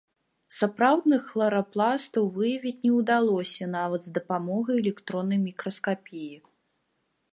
Сапраўдных хларапластаў выявіць не ўдалося нават з дапамогай электроннай мікраскапіі.